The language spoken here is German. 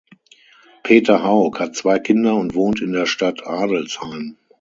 Peter Hauk hat zwei Kinder und wohnt in der Stadt Adelsheim.